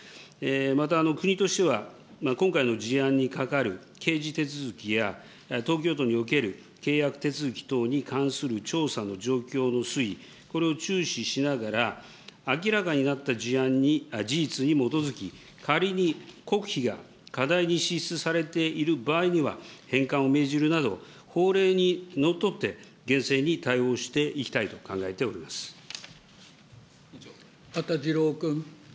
また国としては、今回の事案にかかる刑事手続きや、東京都における契約手続き等に関する調査の状況の推移、これを注視しながら、明らかになった事案に、事実に基づき、仮に国費が課題に支出されている場合には、返還を命じるなど、法令にのっとって、厳正に対応していきたいと考えて羽田次郎君。